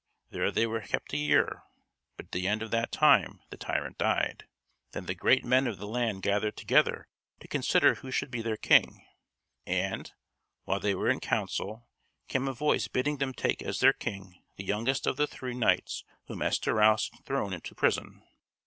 There they were kept a year, but at the end of that time, the tyrant died. Then the great men of the land gathered together to consider who should be their King; and, while they were in council, came a voice bidding them take as their King the youngest of the three knights whom Estorause had thrown into prison.